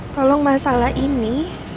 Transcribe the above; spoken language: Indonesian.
tolong masalah ini